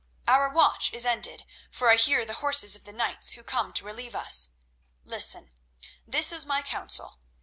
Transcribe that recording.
Our watch is ended, for I hear the horses of the knights who come to relieve us. Listen; this is my counsel.